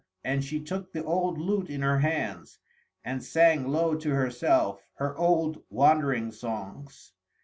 And she took the old lute in her hands, and sang low to herself her old wandering songs.